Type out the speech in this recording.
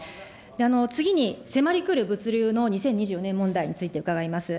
次に、迫りくる物流の２０２４年問題について伺います。